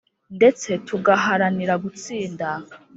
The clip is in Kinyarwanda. ndetse tugaharanira gutsinda